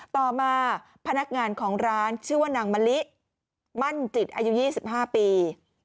ต่อมาพนักงานของร้านชื่อว่านางมะลิมั่นจิตอายุ๒๕ปี